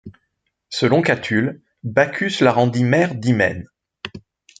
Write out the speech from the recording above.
Selon Catulle, Bacchus la rendit mère d'Hymen.